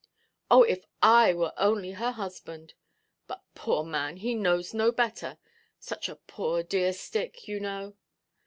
Oh, if I were only her husband! But, poor man, he knows no better. Such a poor dear stick, you know.